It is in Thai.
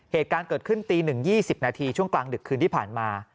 เหตุการณ์เกิดขึ้นตี๑๒๐นาทีช่วงกลางดึกคืนที่ผ่านมา